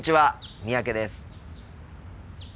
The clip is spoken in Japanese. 三宅です。